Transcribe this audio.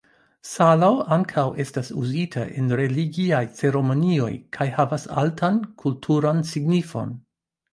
Salo ankaŭ estas uzita en religiaj ceremonioj kaj havas altan kulturan signifon.